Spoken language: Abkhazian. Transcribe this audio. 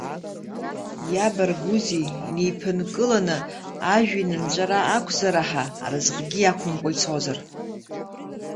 Иабаргузеи, инеиԥынкыланы, ажәҩан нҵәара ақәзараҳа аразҟгьы иақәымкәа ицозар.